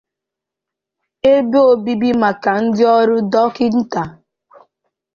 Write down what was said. ebe obibi maka ndị ọrụ dọkịnta